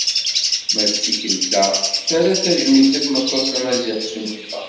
Ma d tikelt-a terra tajmilt i tmeṭṭut tamaziɣt s umata.